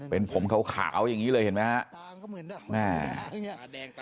เป็นผมขาวขาวอย่างนี้เลยเห็นมั้ยนะว้าว